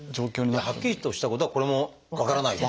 じゃあはっきりとしたことはこれも分からないと。